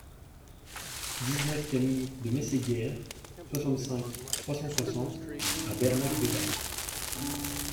dix-neuf cami de Mességuères, soixante-cinq, trois cent soixante à Bernac-Debat